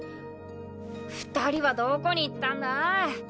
２人はどこに行ったんだあ？